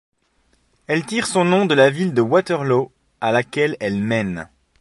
Elle tire son nom de la ville de Waterloo à laquelle elle mène.